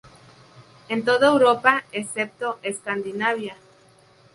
En toda Europa, excepto Escandinavia.